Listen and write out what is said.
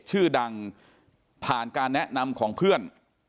ชื่อดังผ่านการแนะนำของเพื่อน